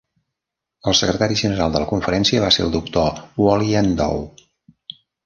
El secretari general de la conferència va ser el doctor Wally N'Dow.